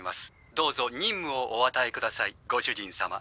どうぞ任務をおあたえくださいご主人様。